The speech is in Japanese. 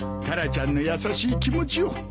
タラちゃんの優しい気持ちを。